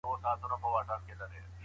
په بې باوريو کې جګړو خپله ونډه لرلې ده.